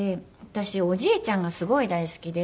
私おじいちゃんがすごい大好きで。